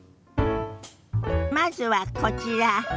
まずはこちら。